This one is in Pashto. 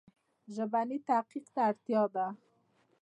ژبني تحقیق ته اړتیا ده.